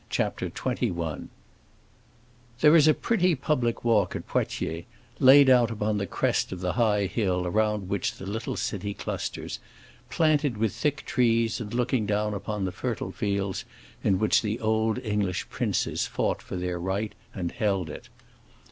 CHAPTER XXI There is a pretty public walk at Poitiers, laid out upon the crest of the high hill around which the little city clusters, planted with thick trees and looking down upon the fertile fields in which the old English princes fought for their right and held it.